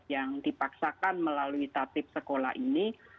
yang dipaksakan melalui tatip sekolah ini